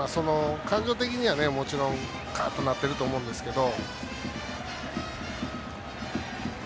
感情的にはカーッとなっていると思うんですけど。